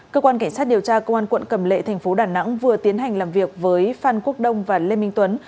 cơ quan cảnh sát điều tra công an quận cầm lệ thành phố đà nẵng vừa tiến hành làm việc với phan quốc đông và lê minh tuấn